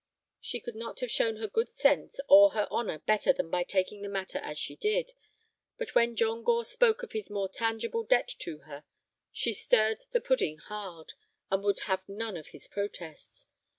She could not have shown her good sense or her honor better than by taking the matter as she did. But when John Gore spoke of his more tangible debt to her, she stirred the pudding hard, and would have none of his protests.